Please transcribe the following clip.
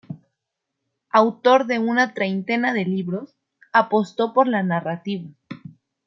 Autor de una treintena de libros, apostó por la narrativa.